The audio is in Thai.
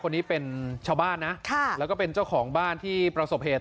คนนี้เป็นชาวบ้านนะค่ะแล้วก็เป็นเจ้าของบ้านที่ประสบเหตุ